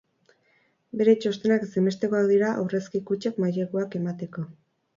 Bere txostenak ezinbestekoak dira aurrezki kutxek maileguak emateko.